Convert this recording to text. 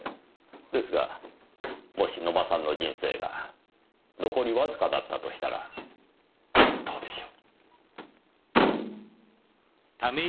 ですがもし野間さんの人生が残りわずかだったとしたらどうでしょう？